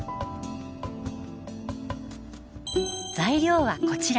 材料はこちら。